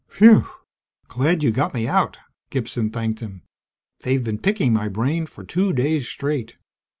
"Whew! Glad you got me out!" Gibson thanked him. "They've been picking my brain for two days straight!"